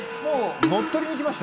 乗っ取りに来ました。